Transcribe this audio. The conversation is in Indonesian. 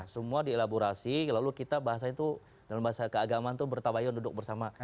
semua dielaborasi lalu kita bahasanya itu dalam bahasa keagamaan itu bertabayon duduk bersama